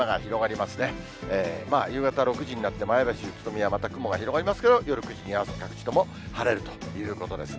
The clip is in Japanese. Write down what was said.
まあ、夕方６時になって、前橋、宇都宮、また雲が広がりますけど、夜９時には各地とも晴れるということですね。